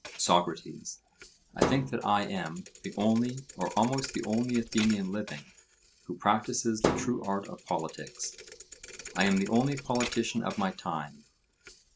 SOCRATES: I think that I am the only or almost the only Athenian living who practises the true art of politics; I am the only politician of my time.